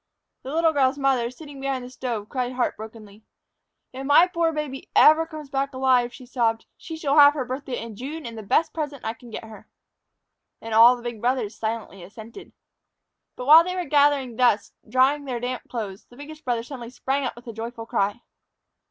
The little girl's mother, sitting behind the stove, cried heartbrokenly. "If my poor baby ever comes back alive," she sobbed, "she shall have her birthday in June and the best present I can get her." And all the big brothers silently assented. But while they were gathered thus, drying their damp clothes, the biggest brother suddenly sprang up with a joyful cry.